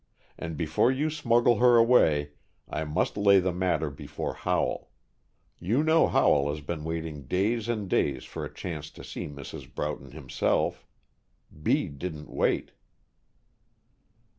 And before you smuggle her away, I must lay the matter before Howell. You know Howell has been waiting days and days for a chance to see Mrs. Broughton himself. Bede didn't wait."